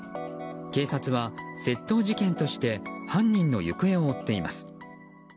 警察は窃盗事件として犯人の行方を追っています。